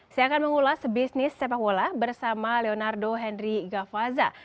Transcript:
saya akan mengulas bisnis sepak bola bersama leonardo henry gafaza